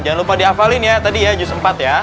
jangan lupa diafalin ya tadi ya jus empat ya